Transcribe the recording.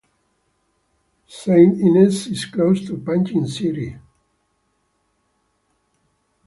St. Inez is close to Panjim city.